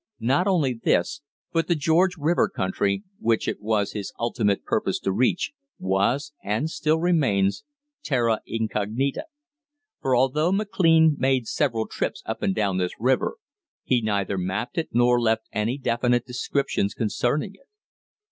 Not only this, but the George River country, which it was his ultimate purpose to reach, was, and still remains, terra incognita; for although McLean made several trips up and down this river, he neither mapped it nor left any definite descriptions concerning it.